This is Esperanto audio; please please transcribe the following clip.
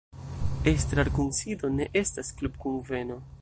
Estrarkunsido ne estas klubkunveno.